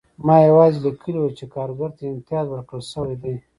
ما یوازې لیکلي وو چې کارګر ته امتیاز ورکړل شوی دی